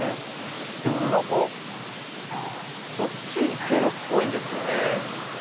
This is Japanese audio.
でもね何かこっち行けるっぽいんですよね。